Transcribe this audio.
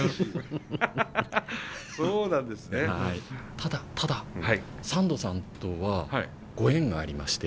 ただただサンドさんとはご縁がありまして。